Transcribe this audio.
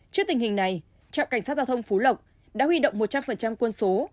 trước tình hình này trạm cảnh sát giao thông phú lộc đã huy động một trăm linh quân số